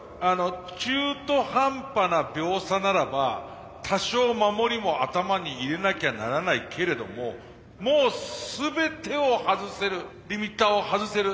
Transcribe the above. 中途半端な秒差ならば多少守りも頭に入れなきゃならないけれどももう全てを外せるリミッターを外せる。